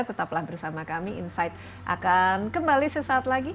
tetaplah bersama kami insight akan kembali sesaat lagi